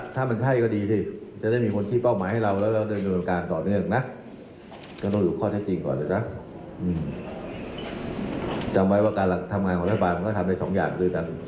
ก็ดีที่มันเป็นหนังสือ